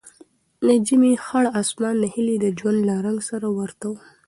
د ژمي خړ اسمان د هیلې د ژوند له رنګ سره ورته و.